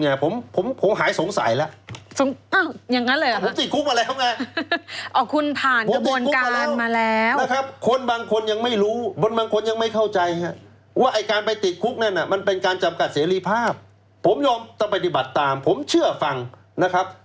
ฮึ่มหายสงสัยแล้ว